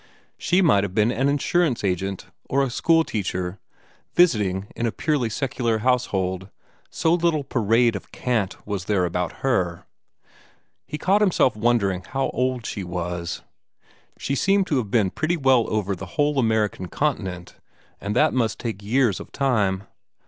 She might have been an insurance agent, or a school teacher, visiting in a purely secular household, so little parade of cant was there about her. He caught himself wondering how old she was. She seemed to have been pretty well over the whole American continent, and that must take years of time.